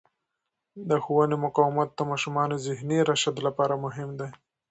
د ښوونې مقاومت د ماشومانو ذهني رشد لپاره مهم دی.